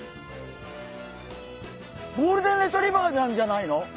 ゴールデンレトリバーなんじゃないの？